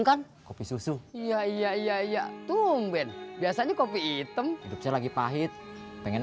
itu kan kopi susu iya iya iya iya tunggu ben biasanya kopi hitam hidupnya lagi pahit pengen